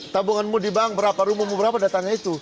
tabunganmu di bank berapa rumahmu berapa datangnya itu